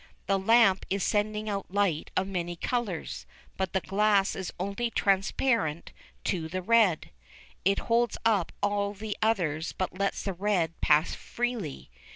The lamp is sending out light of many colours, but the glass is only transparent to the red. It holds up all the others but lets the red pass freely.